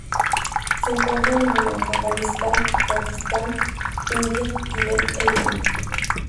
Se encuentra en el Afganistán, Pakistán, India, Tíbet e Irán.